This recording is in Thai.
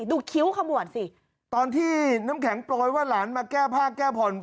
คิ้วขมวดสิตอนที่น้ำแข็งโปรยว่าหลานมาแก้ผ้าแก้ผ่อน